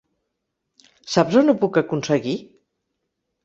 Saps on ho puc aconseguir?